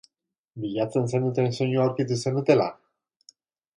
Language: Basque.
Bilatzen zenuten soinua aurkitu zenutela?